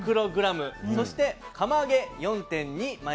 そして釜揚げ４．２μｇ。